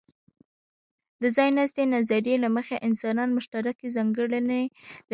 د ځایناستې نظریې له مخې، انسانان مشترکې ځانګړنې لري.